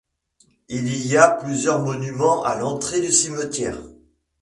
Il y a plusieurs monuments à l'entrée du cimetière.